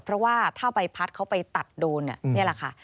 เพราะว่าถ้าใบพัดเขาไปตัดโดนนี่แหละค่ะ